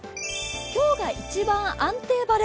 今日が一番安定晴れ。